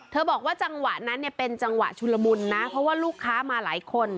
บอกว่าจังหวะนั้นเนี่ยเป็นจังหวะชุลมุนนะเพราะว่าลูกค้ามาหลายคน